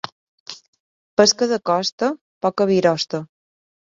Pesca de costa, poca virosta.